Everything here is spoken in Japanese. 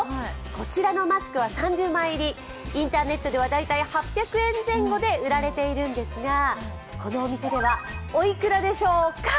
こちらのマスクは３０枚入り、インターネットでは大体８００円前後で売られているんですが、このお店ではおいくらでしょうか？